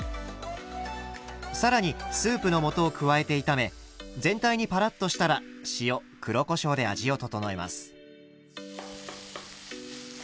更にスープの素を加えて炒め全体にパラッとしたら塩黒こしょうで味を調えます。